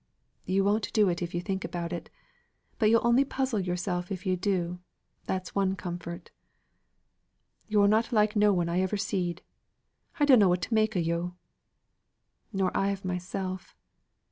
"You won't do it if you think about it. But you'll only puzzle yourself if you do, that's one comfort." "You're not like no one I ever seed. I dunno what to make of yo'." "Nor I of myself.